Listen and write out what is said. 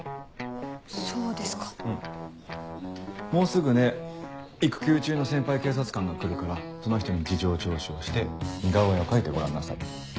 もうすぐね育休中の先輩警察官が来るからその人に事情聴取をして似顔絵を描いてごらんなさい。